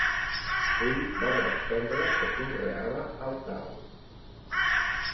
Ell va respondre que conreava el Tao.